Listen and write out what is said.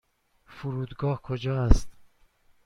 فرودگاه کجا است؟